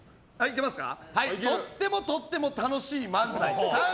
とってもとっても楽しい漫才